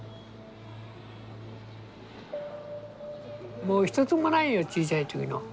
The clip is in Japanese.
もう一つもないよちいちゃい時の。